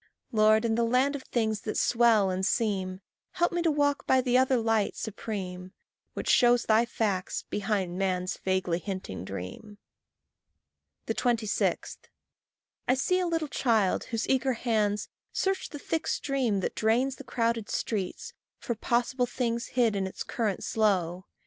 Lord, in the land of things that swell and seem, Help me to walk by the other light supreme, Which shows thy facts behind man's vaguely hinting dream. 26. I see a little child whose eager hands Search the thick stream that drains the crowded street For possible things hid in its current slow.